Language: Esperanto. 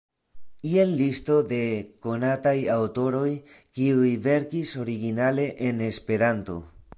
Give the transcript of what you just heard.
Jen listo de konataj aŭtoroj, kiuj verkis originale en Esperanto.